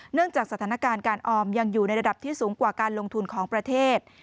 จากสถานการณ์การออมยังอยู่ในระดับที่สูงกว่าการลงทุนของประเทศ